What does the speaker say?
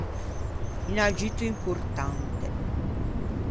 Un aggiutto importante.